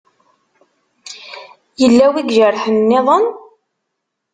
Yella wi ijerḥen-nniḍen?